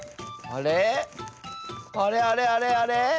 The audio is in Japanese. あれあれあれあれ？